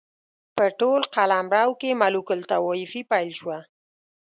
په ټول قلمرو کې ملوک الطوایفي پیل شوه.